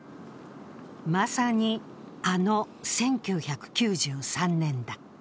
まさに、あの１９９３年だ。